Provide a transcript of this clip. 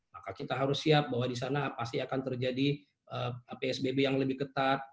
maka kita harus siap bahwa di sana pasti akan terjadi psbb yang lebih ketat